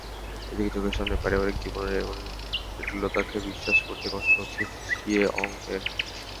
এদিকে চোখের সামনে পারিবারিক জীবনের এমন জটিলতাকে বিশ্বাস করতে কষ্ট হচ্ছে চিয়েঅং-এর।